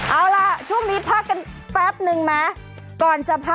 เอาล่ะช่วงนี้พักกันแป๊บนึงไหม